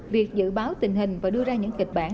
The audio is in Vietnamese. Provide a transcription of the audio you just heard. việc dự báo tình hình và đưa ra những kịch bản